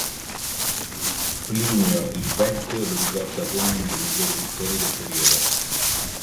Plinio il Vecchio lo ricorda come uno dei migliori pittori del periodo.